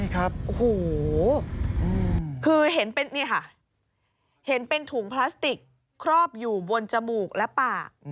คือเห็นเป็นนี่ค่ะเห็นเป็นถุงพลาสติกครอบอยู่บนจมูกและปาก